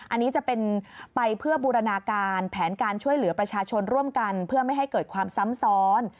อันนี้จะเป็นไปเพื่อบูรณาการแผนการช่วยเหลือประชาชนร่วมกันเพื่อไม่ให้เกิดความซ้ำซ้อน